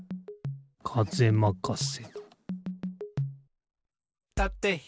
かぜまかせ。